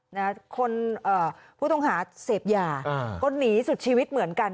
นะฮะคนเอ่อผู้ต้องหาเสพยาอ่าก็หนีสุดชีวิตเหมือนกัน